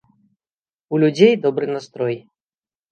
У людзей добры настрой.